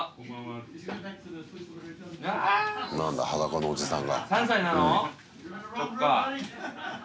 なんだ裸のおじさんが。